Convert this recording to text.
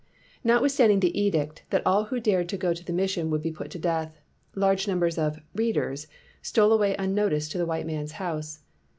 Notwithstanding the edict that all who dared to go to the mission would be put to death, large numbers of "readers" stole away unnoticed to the white man's house.